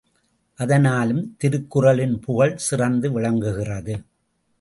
அதனாலும் திருக்குறளின் புகழ் சிறந்து விளங்குகிறது.